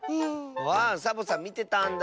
あサボさんみてたんだ。